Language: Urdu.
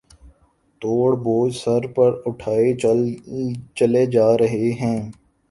توڑ بوجھ سر پر اٹھائے چلے جا رہے ہیں